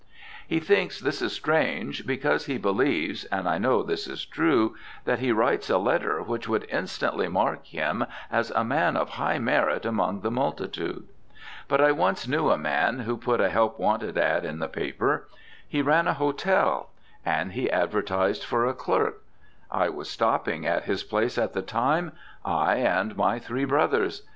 He thinks this is strange, because he believes (and I know this is true) that he writes a letter which would instantly mark him as a man of high merit among the multitude. But I once knew a man who put a help wanted "ad" in the paper. He ran a hotel, and he advertised for a clerk. I was stopping at his place at the time, I and my three brothers.